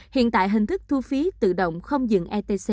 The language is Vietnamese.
hiện tại hình thức thu phí tự động không dừng etc